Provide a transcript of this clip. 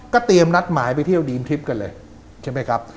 เตรียมนัดหมายไปเที่ยวดีนทริปกันเลยใช่ไหมครับ